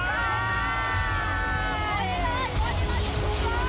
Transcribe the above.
สวยดีมาจากทูเฟอร์